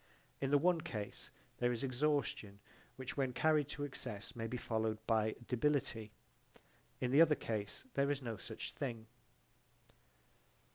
In the one case there is exhaustion which when carried to excess may be followed by debility: in the other case there is no such thing.